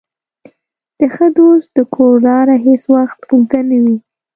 د ښه دوست د کور لاره هېڅ وخت اوږده نه وي.